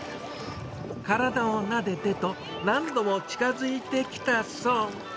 体をなでてと、何度も近づいてきたそう。